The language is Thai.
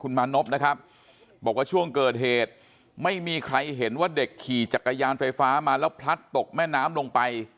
มานพนะครับบอกว่าช่วงเกิดเหตุไม่มีใครเห็นว่าเด็กขี่จักรยานไฟฟ้ามาแล้วพลัดตกแม่น้ำลงไป